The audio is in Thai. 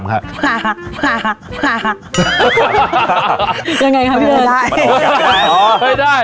ปลาปลาปลายังไงครับเพื่อนไม่ได้ไม่ได้อ๋อไม่ได้